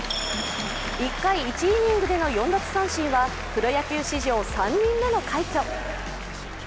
１回１イニングでの４奪三振はプロ野球史上３人目の快挙。